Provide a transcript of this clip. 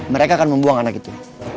mereka akan membuang anak itu